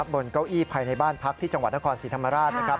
บนเก้าอี้ภายในบ้านพักที่จังหวัดนครศรีธรรมราช